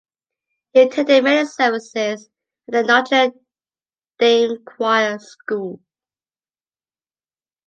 He attended many services at the Notre Dame Choir School.